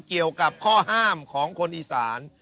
เกี่ยวกับข้อห้ามของคนอีสาน